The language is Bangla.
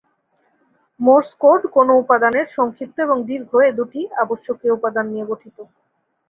মোর্স কোড কোন উপাদানের "সংক্ষিপ্ত এবং দীর্ঘ" এ দুটি আবশ্যকীয় উপাদান নিয়ে গঠিত।